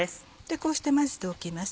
こうして混ぜておきます。